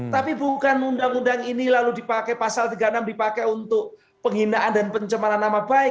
tapi bukan undang undang ini lalu dipakai pasal tiga puluh enam dipakai untuk penghinaan dan pencemaran nama baik